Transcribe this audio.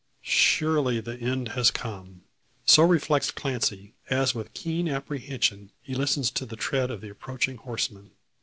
"Surely the end has come!" So reflects Clancy, as with keen apprehension he listens to the tread of the approaching horseman.